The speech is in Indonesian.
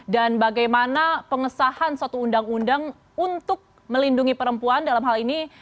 dan bagaimana pengesahan suatu undang undang untuk melindungi perempuan dalam hal ini